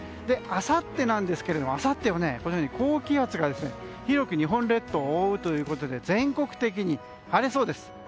あさってなんですがあさっては高気圧が広く日本列島を覆うということで全国的に晴れそうです。